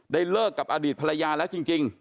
เลิกกับอดีตภรรยาแล้วจริง